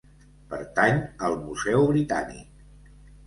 Pertany al Museu Britànic.